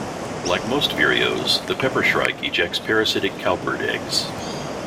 Like most vireos, the peppershrike ejects parasitic cowbird eggs.